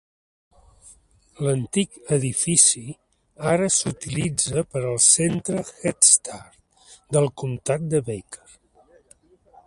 L'antic edifici ara s'utilitza per al Centre Headstart del comtat de Baker.